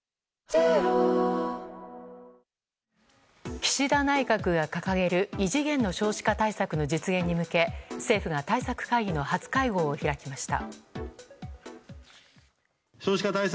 岸田内閣が掲げる異次元の少子化対策の実現に向け政府が対策会議の初会合を開きました。